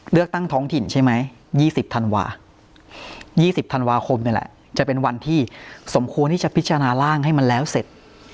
เลือกตั้งท้องถิ่นใช่ไหม๒๐ธันวาคมจะเป็นวันที่สมควรที่จะพิจารณาร่างให้มันแล้วเสร็จ